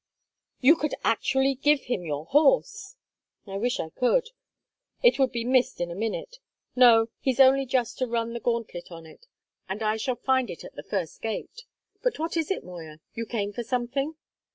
"You could actually give him your horse!" "I wish I could. It would be missed in a minute. No, he's only just to run the gauntlet on it, and I shall find it at the first gate. But what is it, Moya? You came for something?"